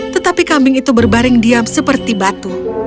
tetapi kambing itu berbaring diam seperti batu